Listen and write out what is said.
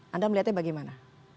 anda melihatnya bagaimana